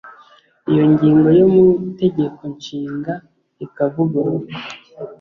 iyo ngingo yo mu Itegeko Nshinga ikavugururwa